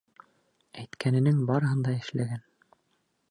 Әйткәненең барыһын да эшләгән...